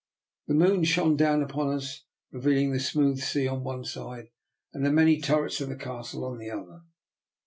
The moon shone down upon us, reveal ing the smooth sea on one side and the many turrets of the Castle on the other.